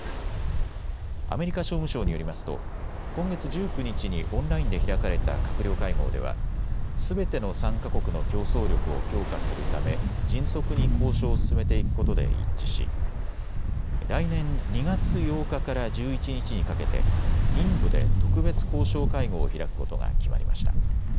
アメリカ商務省によりますと今月１９日にオンラインで開かれた閣僚会合ではすべての参加国の競争力を強化するため迅速に交渉を進めていくことで一致し来年２月８日から１１日にかけてインドで特別交渉会合を開くことが決まりました。